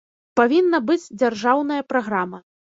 Павінна быць дзяржаўная праграма.